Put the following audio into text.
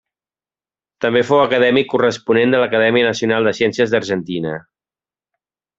També fou acadèmic corresponent de l'Acadèmia Nacional de Ciències d'Argentina.